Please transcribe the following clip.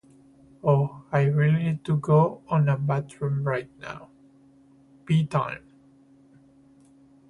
Ooh, I really need to go on a bathroom right now. Pee time!